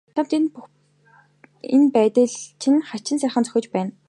Чамд энэ байдал чинь хачин сайхан зохиж байна.